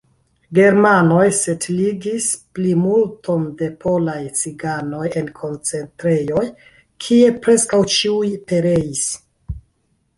Germanoj setligis plimulton de polaj ciganoj en koncentrejoj, kie preskaŭ ĉiuj pereis.